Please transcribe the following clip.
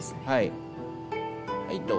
はい。